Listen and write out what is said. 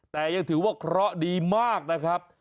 แต่ยังถือว่าเคราะห์ดีมากนะครับ